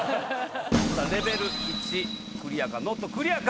さぁレベル１クリアかノットクリアか？